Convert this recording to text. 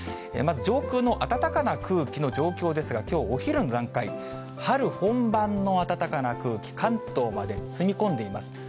まず上空の暖かな空気の状況ですが、きょうお昼の段階、春本番の暖かな空気、関東まで包み込んでいます。